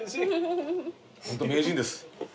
ホント名人です。